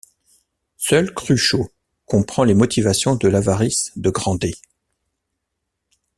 Seul Cruchot comprend les motivations de l'avarice de Grandet.